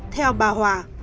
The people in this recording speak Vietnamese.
theo bà hòa